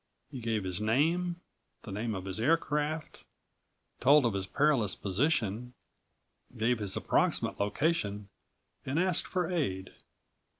He gave his name, the name of his aircraft; told of his perilous position; gave his approximate location and asked for aid.